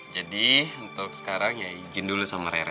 jadi untuk sekarang ya izin dulu sama rere